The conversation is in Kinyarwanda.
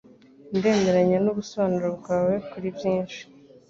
Ndemeranya nubusobanuro bwawe kuri byinshi.